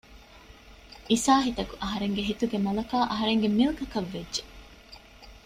އިސާހިތަކު އަހަރެންގެ ހިތުގެ މަލަކާ އަހަރެންގެ މިލްކަކަށް ވެއްޖެ